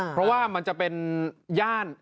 เพราะว่ามันจะเป็นย่าน